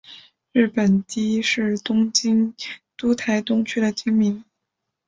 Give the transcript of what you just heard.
日本堤是东京都台东区的町名。